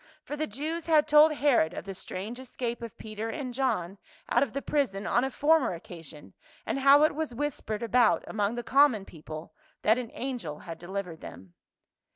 For the Jews had told Herod of the strange escape of Peter and John out of the prison on a former occasion, and how it was whis pered about among the common people that an angel had delivered them.